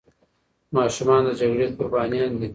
ماشومان د جګړې قربانيان دي.